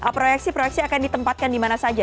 proyeksi proyeksi akan ditempatkan dimana saja